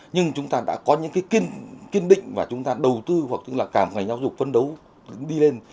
nhưng chúng ta đã có những cái kiên định và chúng ta đầu tư hoặc là cả một ngành giáo dục vấn đấu đi lên